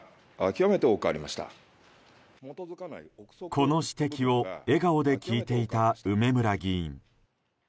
この指摘を笑顔で聞いていた梅村議員。